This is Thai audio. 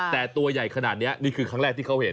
แต่ตัวใหญ่ขนาดนี้นี่คือครั้งแรกที่เขาเห็น